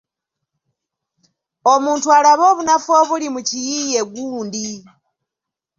Omuntu alabe obunafu obuli mu kiyiiye gundi.